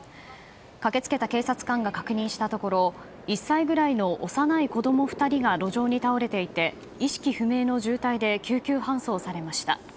駆け付けた警察官が確認したところ１歳ぐらいの幼い子供２人が路上に倒れていて意識不明の重体で救急搬送されました。